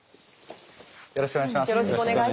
よろしくお願いします。